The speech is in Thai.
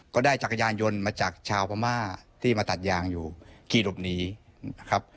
จักรยานยนต์มาจากชาวพม่าที่มาตัดยางอยู่ขี่หลบหนีนะครับ